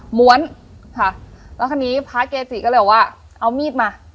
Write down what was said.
หมวนค่ะแล้วทีนี้พระเกจิก็เรียกว่าเอามีดมา